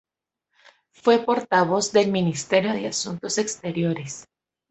Fue portavoz del Ministerio de Asuntos Exteriores.